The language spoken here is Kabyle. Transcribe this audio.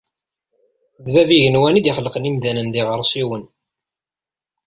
D Bab n yigenwan i d-ixelqen imdanen d iɣersiwen